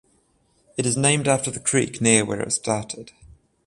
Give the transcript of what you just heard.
It is named after the creek near where it started.